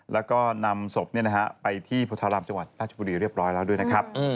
แล้วก็นำสบเนี่ยนะฮะไปที่พทารามจังหวัดอาจบุรีเรียบร้อยแล้วด้วยนะครับ